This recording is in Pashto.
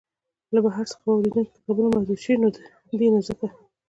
له بهر څخه واریدیدونکي کتابونه محدود شوي دی نو ځکه.